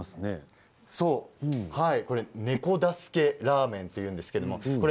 猫助けラーメンというんです。